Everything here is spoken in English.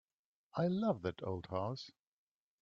I love that old house.